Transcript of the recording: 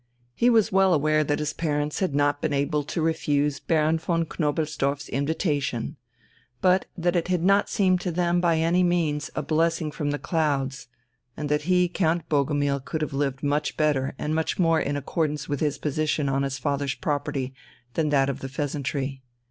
He was well aware that his parents had not been able to refuse Baron von Knobelsdorff's invitation, but that it had not seemed to them by any means a blessing from the clouds, and that he, Count Bogumil, could have lived much better and more in accordance with his position on his father's property than at the "Pheasantry."